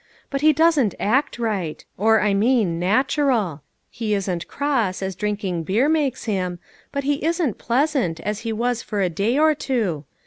But he doesn't act right ; or, I mean, natural. He isn't cross, as drinking beer makes him, but he isn't pleasant, as he was for a day or two.